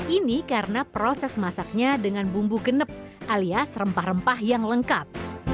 ini karena proses masaknya dengan bumbu genep alias rempah rempah yang lengkap